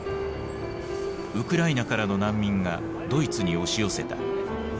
ウクライナからの難民がドイツに押し寄せた。